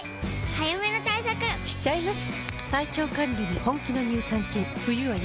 早めの対策しちゃいます。